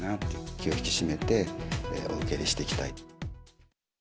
気を引き締めてお受け入れをしていきたい。